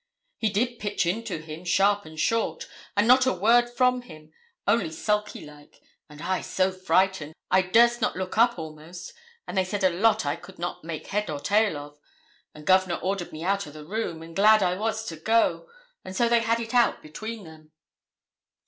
'He did pitch into him, sharp and short, and not a word from him, only sulky like; and I so frightened, I durst not look up almost; and they said a lot I could not make head or tail of; and Governor ordered me out o' the room, and glad I was to go; and so they had it out between them.'